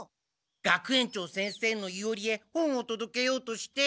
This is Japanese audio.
学園長先生の庵へ本をとどけようとして。